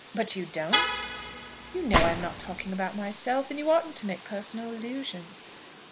"But you don't?" "You know I am not talking about myself, and you oughtn't to make personal allusions."